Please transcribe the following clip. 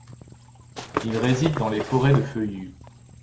Il réside dans les forêts de feuillus.